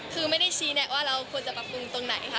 คือไม่ได้ชี้แนะว่าเราควรจะปรับปรุงตรงไหนค่ะ